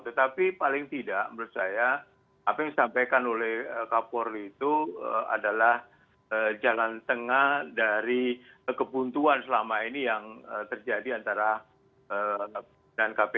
tetapi paling tidak menurut saya apa yang disampaikan oleh kapolri itu adalah jalan tengah dari kebuntuan selama ini yang terjadi antara kpk